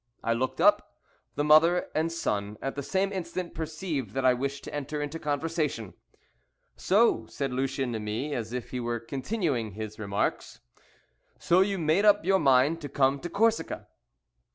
I looked up. The mother and son at the same instant perceived that I wished to enter into conversation. "So," said Lucien to me, as if he were continuing his remarks, "so you made up your mind to come to Corsica?"